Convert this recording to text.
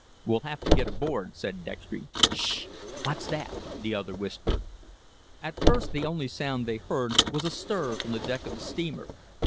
"We'll have to get aboard," said Dextry. "Sh h! What's that?" the other whispered. At first the only sound they heard was a stir from the deck of the steamer.